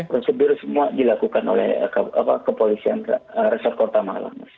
prosedur semua dilakukan oleh kepolisian resort kota malang